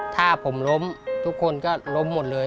ถ้าผมล้มทุกคนก็ล้มหมดเลย